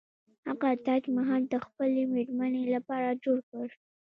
هغه تاج محل د خپلې میرمنې لپاره جوړ کړ.